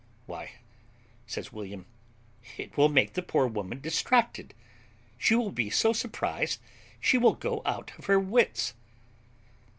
"Why," says William, "it will make the poor woman distracted; she will be so surprised she will go out of her wits."